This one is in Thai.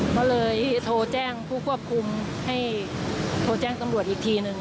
เพราะเราโทรแจ้งผู้ควบคุมโทรแจ้งตำลวดอีกทีนึง